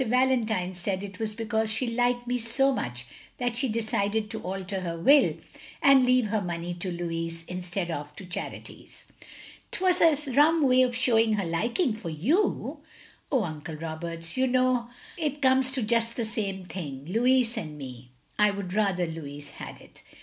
Valentine said it was because she liked me so much that she decided to alter her will, and leave her money to Louis instead of to charities. "" 'T was a rum way of showing her liking for you. "" Oh, Uncle Roberts, you know it comes to just the same thing. Louis and me! I would rather Louis had it.